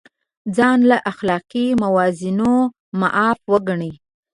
ځان له اخلاقي موازینو معاف وګڼي.